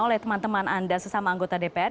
oleh teman teman anda sesama anggota dpr